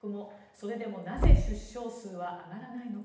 それでもなぜ出生数は上がらないのか。